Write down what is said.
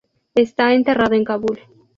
Está enterrado en Kabul.